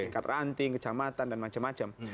tingkat ranting kecamatan dan macam macam